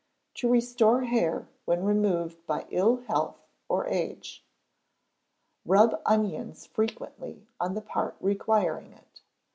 To Restore Hair when removed by Ill health or Age. Rub onions frequently on the part requiring it.